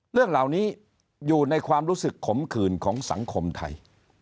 เรื่องเหล่านี้อยู่ในความรู้สึกขมขื่นของสังคมไทย